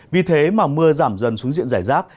vì thế mà mưa giảm dần xuống diện giải rác